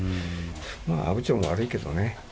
まあ、阿武町も悪いけどね。